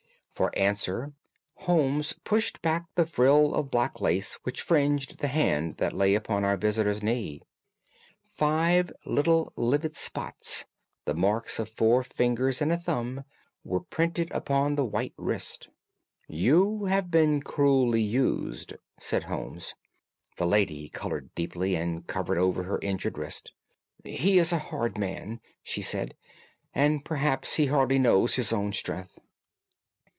For answer Holmes pushed back the frill of black lace which fringed the hand that lay upon our visitor's knee. Five little livid spots, the marks of four fingers and a thumb, were printed upon the white wrist. "You have been cruelly used," said Holmes. The lady coloured deeply and covered over her injured wrist. "He is a hard man," she said, "and perhaps he hardly knows his own strength."